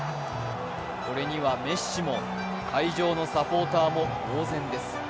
これにはメッシも会場のサポーターもぼう然です。